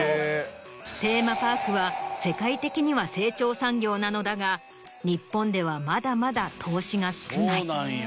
テーマパークは世界的には成長産業なのだが日本ではまだまだ投資が少ない。